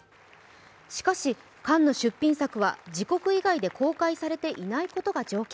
しかし、カンヌ出品作は自国以外で公開されていなことが条件。